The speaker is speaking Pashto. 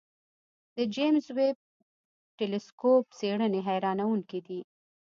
د جیمز ویب ټېلسکوپ څېړنې حیرانوونکې دي.